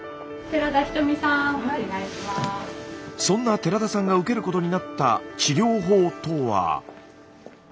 そんな寺田さんが受けることになった治療法とは。